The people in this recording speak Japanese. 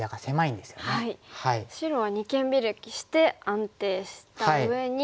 白は二間ビラキして安定したうえに。